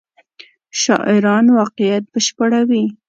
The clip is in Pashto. شاعران واقعیت بشپړوي.